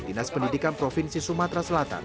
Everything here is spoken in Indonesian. dinas pendidikan provinsi sumatera selatan